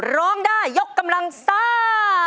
ร้องได้ยกกำลังซ่า